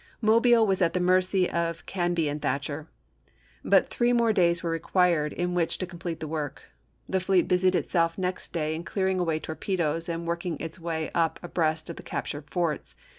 Mobile was at the mercy of Canby and Thatcher, but three more days were required in which to complete the work. The fleet busied itself next day in clearing away torpedoes and working its way up abreast of the captured forts.